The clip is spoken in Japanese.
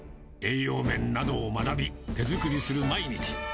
栄養面などを学び、手作りする毎日。